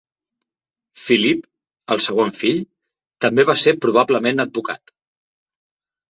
Philip, el segon fill, també va ser probablement advocat.